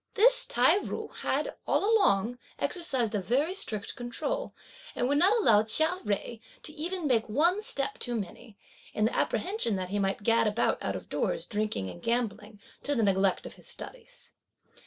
This Tai ju had, all along, exercised a very strict control, and would not allow Chia Jui to even make one step too many, in the apprehension that he might gad about out of doors drinking and gambling, to the neglect of his studies.